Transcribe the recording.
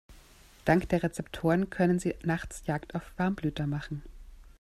Dank der Rezeptoren können sie nachts Jagd auf Warmblüter machen.